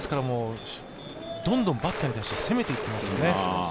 どんどんバッターとして攻めていってますよね。